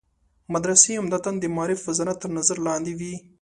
مدرسې عمدتاً د معارف وزارت تر نظر لاندې وي.